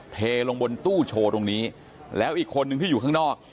เทลงบนตู้โชว์ตรงนี้แล้วอีกคนนึงที่อยู่ข้างนอก